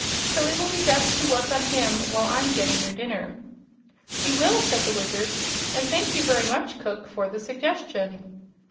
So it will be best to work on him while I'm getting your dinner." "We will," said the Wizard; "and thank you very much, Cook, for the suggestion."